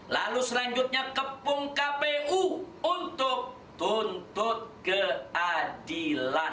lalu selanjutnya kepung kpu untuk tuntut keadilan